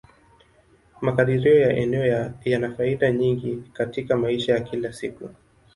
Makadirio ya eneo yana faida nyingi katika maisha ya kila siku.